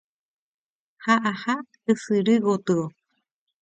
ha aha ysyry gotyo